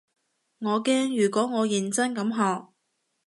我驚如果我認真咁學